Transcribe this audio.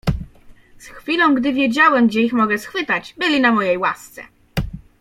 "Z chwilą, gdy wiedziałem, gdzie ich mogę schwytać, byli na mojej łasce."